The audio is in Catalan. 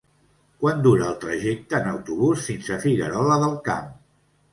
Quant dura el trajecte en autobús fins a Figuerola del Camp?